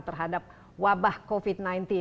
terhadap wabah covid sembilan belas